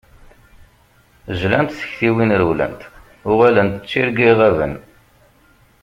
Jlant tektiwin rewlent, uɣalent d tirga iɣaben.